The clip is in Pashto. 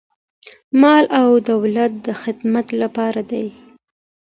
مال او دولت د خدمت لپاره دی.